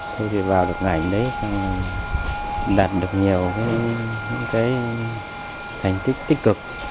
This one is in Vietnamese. thôi thì vào được ngành đấy xong là đạt được nhiều những cái thành tích tích cực